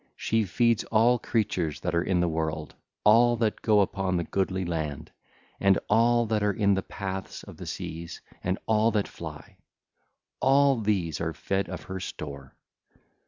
She feeds all creatures that are in the world, all that go upon the goodly land, and all that are in the paths of the seas, and all that fly: all these are fed of her store.